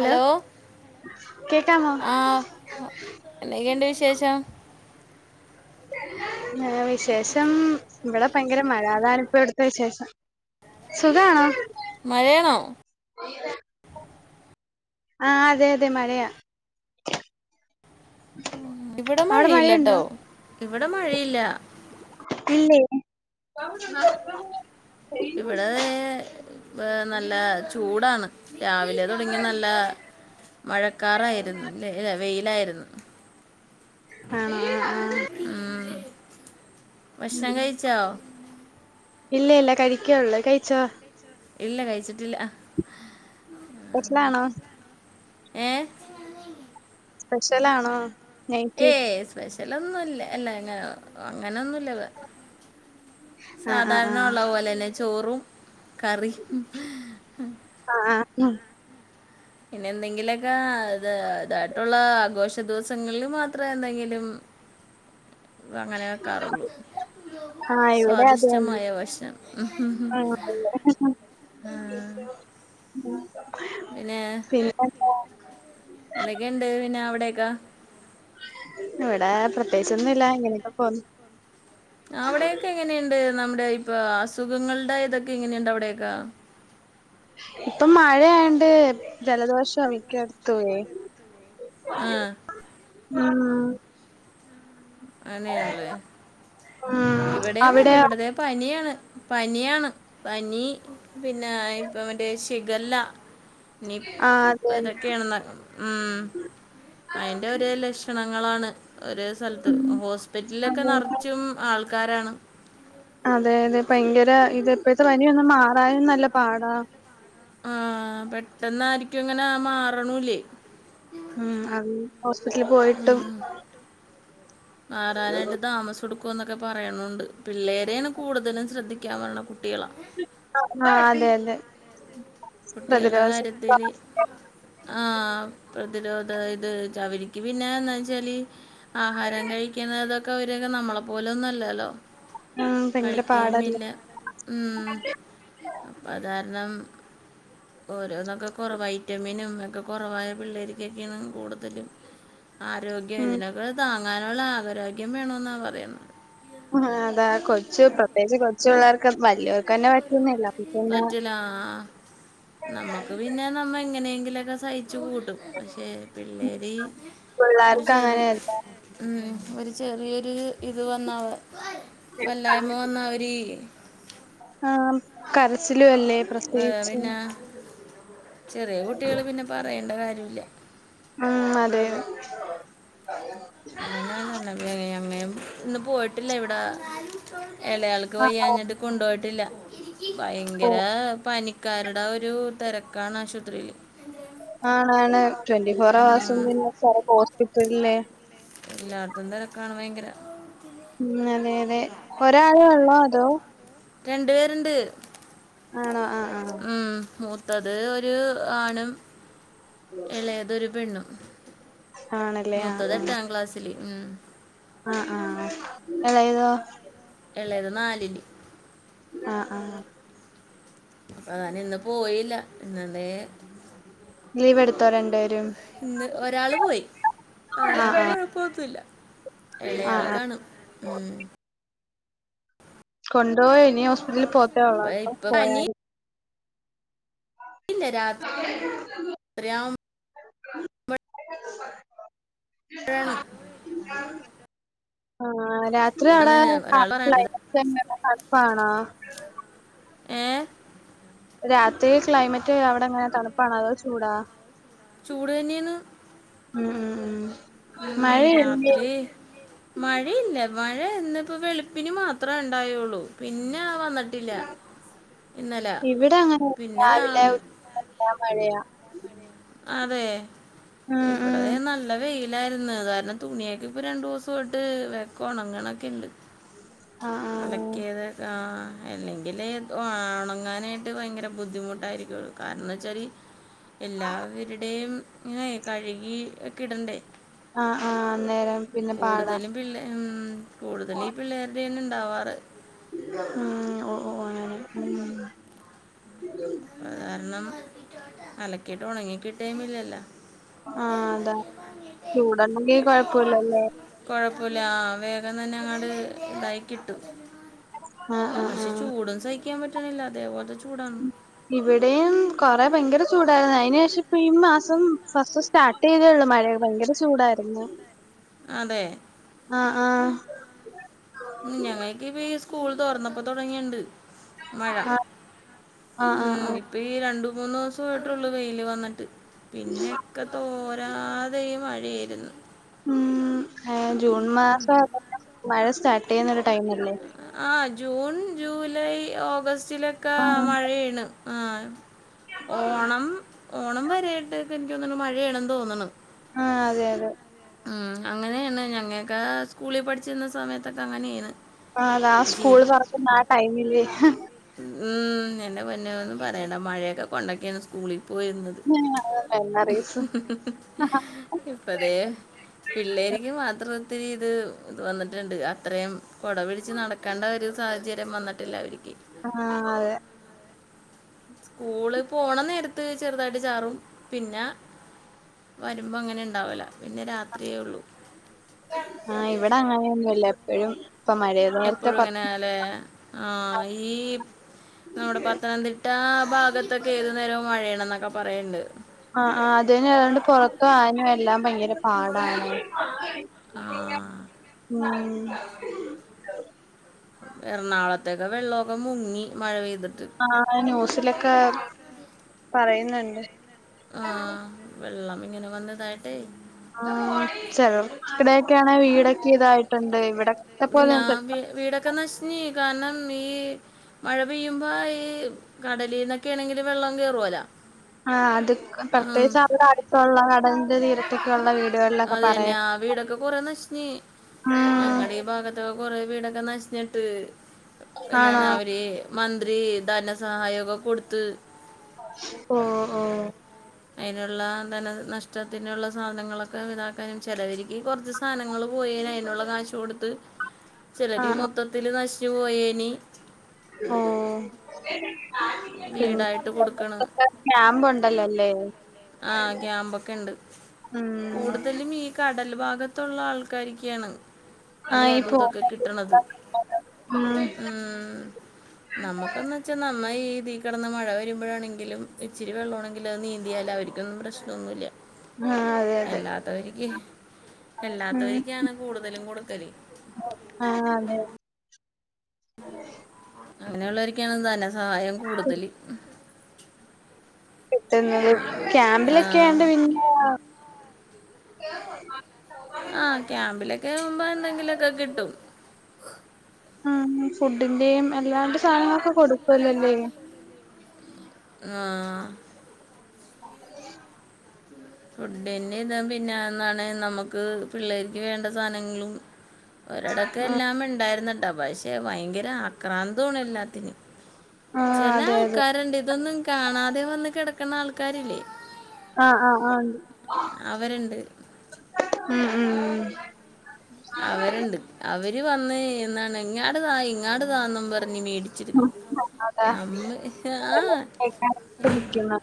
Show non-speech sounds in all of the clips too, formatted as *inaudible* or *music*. Hello കേക്കാമോ ആഹ് എന്തൊക്കെണ്ട് വിശേഷം നല്ല വിശേഷം. ഇവടെ ഭയങ്കര മഴ അതാണ്പ്പോ ഇവിടുത്തെ വിശേഷം. സുഖാണോ മഴയാണോ *inaudible* ആഹ് അതെ അതെ മഴയാ ഇവിടെ അവിടെ മഴയില്ലട്ടോ മഴയുണ്ടോ ഇവിടെ മഴയില്ലാ. ഇല്ലേ ഇവിടെ ആഹ് നല്ല ചൂടാണ്. രാവിലെ തൊടങ്ങി നല്ല മഴക്കാറായിരുന്നു ല അല്ല വെയിലായിരുന്നു. ആണോ ആഹ്, ആഹ്. ഉം. ഭക്ഷണം കയിച്ചോ ഇല്ല, ഇല്ല കഴിക്ക്ണൊള്ളൂ. കയിച്ചോ ഇല്ല കയ്ച്ചിട്ടില്ല. പെഷലാണോ ഏ പെഷലാണോ ഏയ് സ്പെഷ്യലൊന്നുല്ല അല്ല ല്ലാ അങ്ങനൊന്നുല്ല ആ ആ ആ സാധാരണ ഇള്ള പോലെ തന്നെ ചോറും കറീം ആഹ് ആഹ് പിന്നെ എന്തെങ്കിലൊക്കെ ഇത് ഇതായിട്ടുള്ള ആഘോഷ ദിവസങ്ങളില് മാത്രേ എന്തെങ്കിലും അങ്ങനെ വെക്കാറൊള്ളു. ആ ഇവിടെ അത് തന്നെ സ്വാദിഷ്ടമായ ഭക്ഷണം *inaudible* ആ അതെ. *inaudible* പിന്നെ പിന്നെന്താ എന്തൊക്കെണ്ട് പിന്നെ അവിടയൊക്കെ ഇവടെ പ്രത്യേകിച്ചൊന്നുല്ല. ഇങ്ങനെയൊക്കെ പോവുന്നു. അവ്ടെയൊക്കെ എങ്ങനെയ്ണ്ട് നമ്മുടെ ഇപ്പൊ അസുഖങ്ങളുടെ ഇതൊക്കെ എങ്ങനെയ്ണ്ട് അവിടെയക്കാ ഇപ്പം മഴയായോണ്ട് ജലദോഷാ മിക്കയിടത്തുവേ ആ *inaudible* ആഹ് അതേല്ലേ ഉം ഇവിടേം അതെ അവിടെ ഇവിടതെ പനിയാണ്. പനിയാണ് പനി പിന്നെ ഇപ്പ മറ്റെ ശിഗല്ല, നിപ്പ് ആഹ് അതെന്നെ ഇതൊക്കെയാണന്നറിഞ്ഞു ആഹ് അയിന്റെ ഓരോ ലക്ഷണങ്ങളാണ് ഒര് സ്ഥലത്ത് ഹോസ്പിറ്റലിലൊക്കെ അതെ നറച്ചും ആൾക്കാരാണ്. അതെ, അതെ ഭയങ്കര ഇത്പ്പോഴത്തെ പനിയൊന്ന് മാറാനും നല്ല പാടാ. ആഹ് പെട്ടെന്നായിരിക്കും ഇങ്ങനെ മാറണൂല്ലേ. ഉം അത് ഹോസ്പിറ്റലി പോയിട്ടും. ഉം. മാറാനായിട്ട് താമസ യെടുക്കും ന്നൊക്കെ പറയണുണ്ട് പിള്ളേരേണ് കൂടുതലും ശ്രദ്ധിക്കാം പറണ കുട്ടികളാ. ആഹ് അതെ, അതെ പ്രതിരോധ ശക്തി കുറവാണ്. ആഹ് പ്രതിരോധ ഇത് അവരിക്ക് പിന്നെ എന്നാ വെച്ചാല്. ആഹാരം കഴിക്കുന്നതൊക്കെ അവരൊക്കെ നമ്മളെ പോലെന്നും അല്ലാല്ലോ. ഉം ഭയങ്കര കഴിക്കേ പാടല്ലേ മില്ല ഉം അപ്പ അതാരണം. ഓരോന്നൊക്കെ കുറവ വൈറ്റമിനും ഒക്കെ കുറവായ പിള്ളേർകൊക്കേണ് കൂടുതലും. ആരോഗ്യം ഉം ഇതിനൊക്കെ താങ്ങാനുള്ള ആഗരോഗ്യം വേണോന്നാ പറയുന്നെ. ആഹ് അതാ കൊച്ച് പ്രത്യേകിച്ച് കൊച്ച് പിള്ളേർക്ക് വലിയവർക്കന്നെ പറ്റുന്നില്ല അപ്പ പിന്നെ. ആഹ്. നമ്മക്ക് പിന്നെ നമ്മ എങ്ങനെയെങ്കിലൊക്കെ സഹിച്ചു കൂട്ടും പഷേ. പിള്ളേര് ഒരു പിള്ളേർക്ക് ചെറി അങ്ങനെയല്ല ഉം ഒരു ചെറിയൊരു ഇത് വന്നാ വല്ലായ്മ വന്നാ അവര്. ആഹ് കരച്ചിലും അല്ലേ. പ്രത്യേകിച്ച് പിന്നേ ചെറിയ കുട്ടികൾ പിന്നെ പറയേണ്ട കാര്യമില്ല ഉം അതെ അങ്ങനെ അതാണ് അങ്ങന ഇന്ന് പോയിട്ടില്ല ഇവിട ഇളയാൾക്ക് വയ്യാഞ്ഞിട്ട് കൊണ്ടുപോയിട്ടില്ല ഭയങ്കര പനി കര ടെ ഒരു തെരക്കാണ് ആശുപത്രിയില് ആണാണ് ട്വന്റി ഫോർ അവേഴ്സും പിന്നെ ഹോസ്പിറ്റലില് എല്ലായിടത്തും തെരക്കാണ് ഭയങ്കര ഉം അതെ അതെ ഒരാളേ ഉള്ളോ അതോ രണ്ടു പേരുണ്ട് ആണോ ആഹ് ആഹ് ഉം മൂത്തത് ഒരു ആണും ഇളയത് ഒരു പെണ്ണും ആണല്ലേ ആഹ് മൂത്തത് എട്ടാം ക്ലാസ്സില് ഉം ആഹ് ആഹ് ഇളയതോ ഇളയത് നാലില് ആഹ് ആഹ് ഞാനിന്ന് പോയില്ല *unintelligible* ലീവ് എടുത്തോ രണ്ട് പേരും ഇന്ന് ഒരാള് പോയി ആഹ് അയാൾക്ക് ആഹ് കൊയ പ്പൊന്നുല്ല ആഹ് ആഹ് ഇളയാൾക്കാണ് ഉം കൊണ്ടു യി ഇനി ഹോസ്പിറ്റലിൽ പോകത്തേ ഉള്ളൂ ഇപ്പൊ- അപ്പൊ ഇപ്പൊ പോയ പനിയില്ല രാത്രിയാവുമ്പോഴാണ് *inaudible* ആഴാണ് ആ രാത്രി അവിടെ ഇതാണ് കാ ഒരാൾ പറയണത് ചെന്നപ്പോ തണുപ്പാണോ ഏ രാത്രി ക്ലൈമറ്റ് അവിടെ അങ്ങനെ തണുപ്പാണോ അതോ ചൂടാ ചൂട് ന്നെ ആണ് ഉം ഉം ഉം ഉം മഴയില്ലേ രാത്രി മഴയില്ല മഴ ഇന്നിപ്പോ വെളുപ്പിന് മാത്രേ ഉണ്ടായുള്ളൂ പിന്നെ വന്നിട്ടില്ല ഇന്നലെ ഇവിടെ അങ്ങനെ പിന്നെ രാ രാവിലെ ഉച്ചക്ക മഴയാ അതേ *unintelligible* *unintelligible* നല്ല വെയിലായിരുന്നു അത് കാരണം തുണിയക്കെ ഇപ്പ രണ്ടു ദിവസ ഇട്ട് വേഗം ഒണങ്ങണൊക്കെ ഇണ്ട് *unintelligible* *unintelligible* ആ അല്ലെങ്കിൽ *unintelligible* ഉണങ്ങാനായിട്ട് ഭയങ്കര ബുദ്ധിമുട്ടായിരിക്കും *unintelligible* *unintelligible* എല്ലാവരുടെയും ഇങ്ങനെ കഴുകി *unintelligible* ഇടണ്ടേ ആ ആ അന്നേരം പിന്നെ പാടാ *unintelligible* ഉം കൂടുതല് ഈ പിള്ളേർടെ *unintelligible* ഇണ്ടാവാറ് ഉം ഓ ഓ *unintelligible* ഉം അത് കാരണം അലക്കിട്ട് ഉണങ്ങിക്കിട്ടേയും ഇല്ലല്ല ആ അതാ *unintelligible* കൊഴപ്പല്ലല്ലേ കൊഴപ്പല്ല ആ വേഗം തന്നെ അങ്ങട് ഇതായി കിട്ടും. ആഹ് ആഹ് പക്ഷെ ആഹ് ചൂടും സഹിക്കാൻ പറ്റണില്ല അതേപോലത്ത ചൂടാണ് ഇവിടെയും കൊറേ ഭയങ്കര ചൂടായിരുന്നു അയിന് ശേഷം ഇപ്പ ഈ മാസം ഫസ്റ്റ് *unintelligible* *unintelligible* ചൂടായിരുന്നു അതെ ആ ആ ഉം ഞങ്ങക്ക് ഇപ്പ ഈ സ്കൂൾ തുറന്നപ്പോ തുടങ്ങിയിണ്ട് *unintelligible* ആ ആ ആ *unintelligible* ഈ രണ്ട മൂന്ന് ദിവസമായിട്ടുള്ളൂ വെയിൽ വന്നിട്ട് പിന്നെ *unintelligible* തോരാതെ ഈ മഴയായിരുന്നു ഉം ജൂൺ മാസം *unintelligible* മഴ സ്റ്റാർട്ട് ചെയ്യുന്ന ഒരു ടൈമല്ലേ. ആ ജൂൺ ജൂലൈ ഓഗസ്റ്റിലൊക്കെ ആഹ് മഴേണ് ആ ഓണം ഓണം വരായിട്ടക്ക എനിക്ക് തോന്നണ് മഴയണന്ന് തോന്നണ് ആ അതെ അതെ ഉം അങ്ങനെയാണ് ഞങ്ങക്കെ സ്കൂളിൽ പഠിച്ചിരുന്ന സമയത്തൊക്കെ അങ്ങനെയണ് ആ അതാ ആ സ്കൂൾ *unintelligible* ആ ടൈമില് ഉം എന്റെ പൊന്നേ ഒന്നും പറയണ്ട മഴയൊക്കെ കൊണ്ടക്കെയാണ് സ്കൂളിൽ പോയിരുന്ന് മെമ്മറീസ് ഇപ്പതേ പിള്ളേക്ക് മാത്രം ഇത്തിരി ഇത് ഇത് വന്നിട്ടുണ്ട് അത്രയും കൊട പിടിച്ച് *unintelligible* *unintelligible* ഒരു സാഹചര്യം വന്നിട്ടില്ല അവർക്ക് ആ അതെ സ്കൂള് പോണ നേരത്ത് ചെറുതായിട്ട് ചാറും പിന്ന വരുമ്പോ അങ്ങനെ ഇണ്ടാവില്ല പിന്നെ രാത്രിയേ ഉള്ളൂ ആ ഇവിടെ അങ്ങനെയൊന്നുംല്ല എപ്പോഴും ഇപ്പ മഴയാ എപ്പോഴും ഇങ്ങനെല്ലേ ആ ഈ നമ്മുടെ *unintelligible* *unintelligible* ഭാഗത്തൊക്കെ ഏതു നേരവും മഴയണന്നൊക്കെ പറയണ്ട്. ആ ആ *unintelligible* എല്ലാം ഭയങ്കര പാടാണ്. ആ *inaudible* ഉം എറണാളത്തൊക്കെ വെള്ളമൊക്കെ മുങ്ങി മഴ പെയ്തിട്ട് ആ ന്യൂസിലൊക്കെ പറയുന്നുണ്ട് ആ വെള്ളം ഇങ്ങനെ വന്നിതായിട്ടേ ആ *unintelligible* വീടൊക്കെ ഇതായിട്ടുണ്ട് ഇവിടെ *unintelligible* വീടൊക്കെ *unintelligible* കാരണം ഈ മഴ പെയ്യുമ്പോ ഈ കടലിൽന്നൊക്കെ ആണെങ്കിലും വെള്ളം കേറുവല ആ അത് പ്രത്യേകിച്ച് *unintelligible* അടുത്തുള്ള കടൽന്റെ തീരത്തൊക്ക ഉള്ള വീടുകൾ അതെന്നെ ആ വീടൊക്കെ കൊറേ നശിഞ്ഞ് ഉം ഞങ്ങടെ ഈ *unintelligible* *unintelligible* കൊറെ വീടൊക്കെ നശഞ്ഞിട്ട് ആണോ എന്നാണ് അവര് മന്ത്രി ധനസഹായൊക്കെ കൊടുത്ത് ഓ ഓ അയ്നുള്ള ധന നഷ്ടത്തിനുള്ള സാധനങ്ങളൊക്കെ ഇതാക്കാനും ചെലവരിക്ക് ക്കൊർച്ച് സാനങ്ങൾ പോയേന് അയിനുള്ള കാശ്കൊടുത്ത് ചിലര് ആഹ് ആഹ് മൊത്തത്തില് നശിച്ച് പോയേന് ആഹ് വീടായിട്ട് കൊടുക്ക്ണ് ക്യാമ്പ് ണ്ടല്ലോ അല്ലേ ആഹ് ക്യാമ്പൊക്കെണ്ട് ഉം കൂടുതലും ഇ കടൽ ഭാഗത്തുള്ള ആൾക്കാരിക്കാണ് ഈ ആഹ് അ പോ ദൂതൊക്കെ കിട്ട്ണത് ഉം ഉം നമുക്കന്ന് വെച്ചാ നന്നായി ഈ തീ കിടന്ന് മഴ വരുമ്പഴാണെങ്കിലും ഇച്ചിരി വെള്ളംണെങ്കിലും അത് നീന്തിയാല അവ *unintelligible* പ്രശ്നംന്നുല്ല ആഹ് അതെ അതെ അല്ലാത്തവര്ക്ക് ഉം അല്ലാത്തവരിക്കാണ് കൂടുതലും കൊടുക്കല് ആഹ് അതെ അങ്ങനെയുള്ളവർക്കാണ് ധനസഹായം കൂടുതല് നമ്മ *unintelligible* ആ, ക്യാമ്പിലൊക്കെ ആയോണ്ട് പി ആഹ് ക്യാമ്പിലൊക്കെ ആവുമ്പോ എന്തെങ്കിലും ഒക്കെ കിട്ടും ഉം ഫുഡിന്റെയും എല്ലാണ്ട് സാധനങ്ങളൊക്കെ കൊടുക്കല്ലല്ലേ ആഹ് ഉ ഫുഡിന്റെ ഇത പിന്നെന്നാണ് നമ്മുക്ക് പിള്ളേർക്ക് വേണ്ട സാനങ്ങളും ഒരടക്കം എല്ലാമ് ഉണ്ടായിരുന്നട്ടോ പക്ഷെ ഭയങ്കര ആക്രാന്തു ആണ് എല്ലാത്തിനും ആഹ് ചെല അതെ അതെ ആൾക്കാരുണ്ട് ഇതൊന്നും കാണാതെ വന്ന് കിടക്കണ ആൾക്കാരില്ലേ ആഹ് ആഹ് ആഹ് അവരുണ്ട് ണ്ട് ഉ ഉം ഉം അവര്ണ്ട് അവര് വന്ന് എന്നാണ് ഇങ്ങാട് താ ഇങ്ങാട് താന്നും പറഞ്ഞഞ് മേടി ച്ചിരുന്നു ഉം. അതാ നമ്മ് ആ ഹ് നിക്കുന്നെ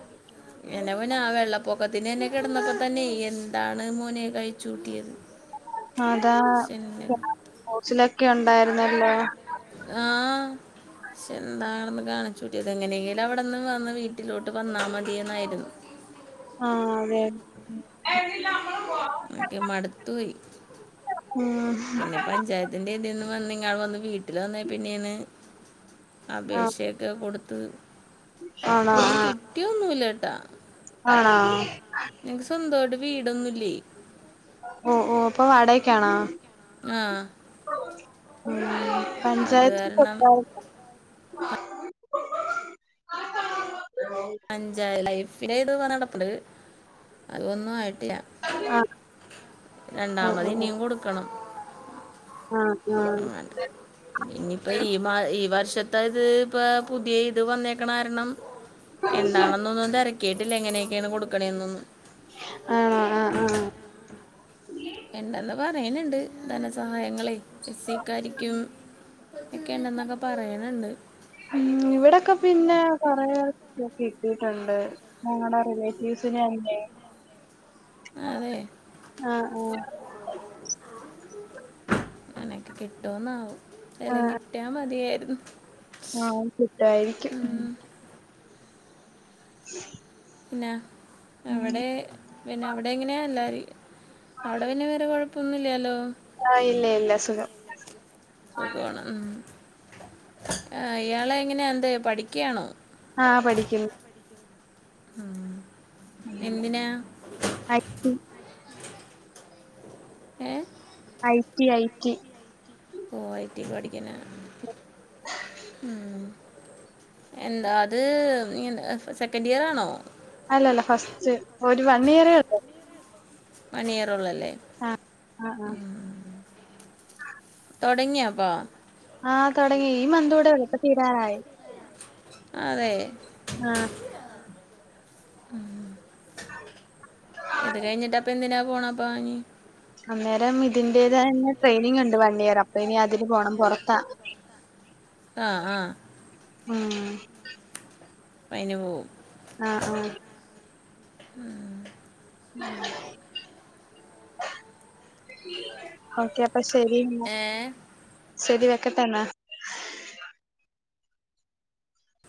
എന്നാ പോന്നാ ആ വെള്ളപ്പൊക്കത്തിന്റെ ന്നെ കിടന്നപ്പോ തന്നെ എന്താണ് മോനെ കഴി ചൂട്ടിയത് അതാ ഹൗസിലൊക്കെ ഉണ്ടായിരുന്നല്ലോ ആഹ് ക്ഷെ എന്താണെന്ന് കാണിച്ചുട്ടിയത് എങ്ങനെയെങ്കിലും അവിട്ന്ന് വന്ന് വീട്ടിലോട്ട് വന്നാ മതിയെന്നായിരുന്നു ആഹ് അതെ ആക്കെ മടുത്തോയി ഉം പിന്നെ പഞ്ചായ ത്തിന്റെ ഇതിന്ന് വന്നിങ്ങ വന്ന് വീട്ടിൽ വന്ന പിന്നെയാണ് ആഹ് അപേക്ഷ ഒക്കെ കൊടുത്ത് ആണോ ഒന്നും ആഹ് കിട്ടിയൊന്നുല്ല ട്ടാ ആണോ ഞങ്ങ്ക്ക് സ്വന്തായിട്ട് വീടൊന്നുംല്ലേ ഓ ഓ അപ്പൊ വാടയ്ക്കാണോ ആഹ് ഉം അത് പഞ്ചായത്ത് കാരണം കൊട്ത്താല് *inaudible* അഞ്ചാ ലൈഫില് ഇത് പറ നടപ്പ്ട്ട് അതൊന്നും ആയിട്ടില്ല ആഹ് രണ്ടാമത് ഇനിയും കൊടുക്കണം ആഹ് ആഹ് *unintelligible* ഇനിയിപ്പ ഈ മാ ഈ വർഷത്തെ ഇത് ഇപ്പ പുതിയെ ഇത് വന്നേക്കണ കാരണം എന്താണെന്നൊന്നും തിരക്കിയിട്ടില്ല എങ്ങനെയൊക്കെയാണ് കൊടുക്കണേ എന്നൊന്നു ആഹ്ആഹ്ആഹ് ഇണ്ടന്ന് പറയ് ണ് ണ്ട് ധനസഹായങ്ങളെ എസിക്കാരിക്കും ഒക്കെ ണ്ടന്നൊക്കെ പറയ് ണ് ണ്ട് ഉം ഇവിടെക്കെ പിന്നെ കൊറെ കിട്ടീട്ടുണ്ട് ഞങ്ങളടെ റിലേറ്റീവ്സന്ന്നെ *inaudible* ആഹ് ആഹ് നിനക്ക് കിട്ടോന്നാവും നല ആഹ് കിട്ടിയാ മതിയായിരുന്നു ആഹ് കിട്ടായിരിക്കും ഉം. *inaudible* പിന്നാ അവിടെ പിന്നെ അവിടെ എങ്ങനെയാ അല്ല അവിടെ പിന്നെ വേറെ കൊഴപ്പ ഒന്നുലല്ലോ ആഹ് ഇല്ല ഇല്ല സുഖം തക്കണം ഉം ആഹ് ഇയാളെ എങ്ങനെ എന്താ പഠിക്കുകയാണോ ആഹ് പഠിക്കുന്നു ഉം. എന്തിനാ ഐ ടി ഏഹ് ഐടി ഐടി ഓ ഐ ടി പഠിക്കുന്നു ഉം എന്താ അത് ഇങ്ങനെ സെക്കൻഡ് ഇയർ ആണോ അല്ലല്ല ഫസ്റ്റ് ഒരു വൺ ഇയറെ ഉള്ള് വൺ ഇയറേ ഒള്ള് അല്ലേ ആഹ് ആഹ് ആഹ് തുടങ്ങിയാപ്പോ ആഹ് തൊടങ്ങി ഈ മന്തൂടെ ഒള്ളു ഇപ്പ തീരാനായി അതേ ആഹ് ഇത് കഴിഞ്ഞിട്ട് അപ്പൊ എന്തിനാ പോണാപ്പാനി അന്നേരം ഇതിന്റേത് തന്നെ ട്രെയിനിങ് ഉണ്ട് വൺ ഇയർ അപ്പ ഇനി അതിന് പോണം പൊറത്താ ആഹ് ആഹ് ആഹ് പ അയിനുപോവും ആഹ് ആഹ് *inaudible* ഓക്കെ അപ്പൊ ശരി എന്നാ ഏ ശരി വെക്കട്ടേന്നാ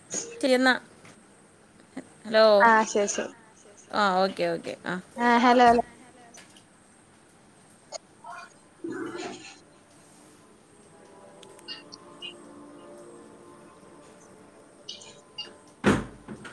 *inaudible* ശരി എന്നാ ഹലോ ആഹ് ശരി ശരി ആഹ് ഓക്കെ ഓക്കെ ആഹ് ആഹ് ഹലോ *inaudible* *inaudible*